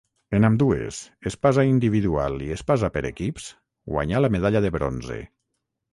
En ambdues, espasa individual i espasa per equips, guanyà la medalla de bronze.